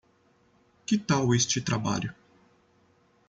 que tal este trabalho?